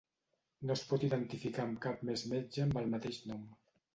No es pot identificar amb cap més metge amb el mateix nom.